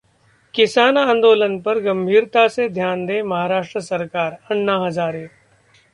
किसान आंदोलन पर गंभीरता से ध्यान दे महाराष्ट्र सरकार: अन्ना हजारे